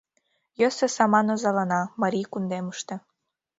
Йӧсӧ саман озалана Марий кундемыште.